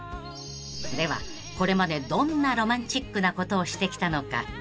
［ではこれまでどんなロマンチックなことをしてきたのか］